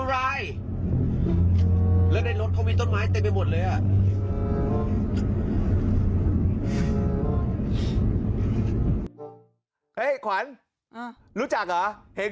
ไปเอ่อพี่พี่เบอะพี่เบอะครับอันนั้นไม่ใช่มือค่ะพี่